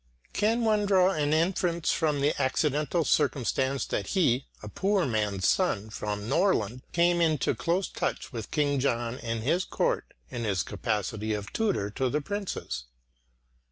Can one draw an inference from the accidental circumstance that he, a poor man's son from Norrland, came into too close touch with King John and his court, in his capacity of tutor to the princes?